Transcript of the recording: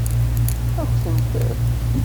Ad k-tent-tefk?